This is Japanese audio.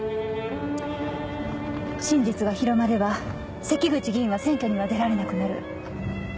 真実が広まれば関口議員は選挙には出られなくなる。